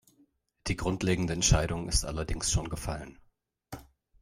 Die grundlegende Entscheidung ist allerdings schon gefallen.